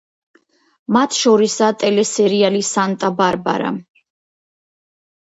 მათ შორისაა ტელესერიალი „სანტა-ბარბარა“.